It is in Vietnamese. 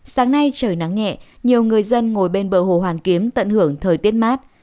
sáng nay trời nắng nhẹ nhiều người dân ngồi bên bờ hồ hoàn kiếm tận hưởng thời tiết mát